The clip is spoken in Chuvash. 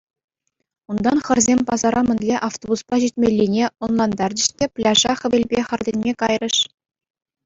Унтан хӗрсем пасара мӗнле автобуспа ҫитмеллине ӑнлантарчӗҫ те пляжа хӗвелпе хӗртӗнме кайрӗҫ.